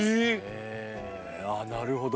あなるほど。